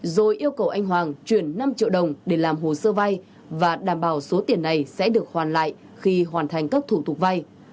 rồi yêu cầu anh hoàng chuyển năm triệu đồng để làm hồ sơ vay và đảm bảo số tiền này sẽ được hoàn lại khi hoàn thành các thủ tục vay